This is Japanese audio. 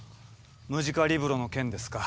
ムジカリブロの件ですか。